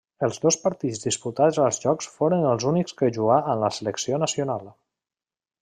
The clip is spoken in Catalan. Els dos partits disputats als Jocs foren els únics que jugà amb la selecció nacional.